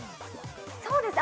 ◆そうですね。